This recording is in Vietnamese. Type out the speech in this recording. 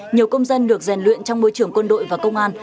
nhiều công dân được rèn luyện trong môi trường quân đội và công an